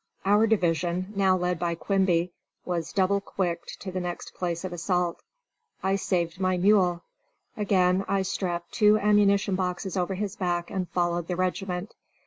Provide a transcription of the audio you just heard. Our division, now led by Quimby, was double quicked to the next place of assault. I saved my mule. Again I strapped two ammunition boxes over his back and followed the regiment.